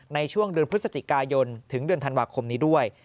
ในช่วงเดือนพฤศจิกายนถึงเดือนธันวาคมนี้ด้วย